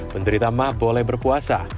menderita mah boleh berpuasa